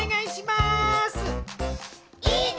いいね！